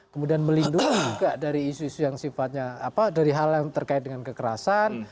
kemudian melindungi juga dari isu isu yang sifatnya apa dari hal yang terkait dengan kekerasan